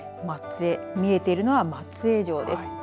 松江、見えているのは松江城です。